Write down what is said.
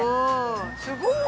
すごい！